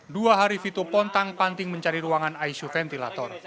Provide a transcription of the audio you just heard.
dua hari vito pontang panting mencari ruangan icu ventilator